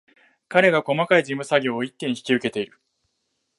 彼が細かい事務作業を一手に引き受けている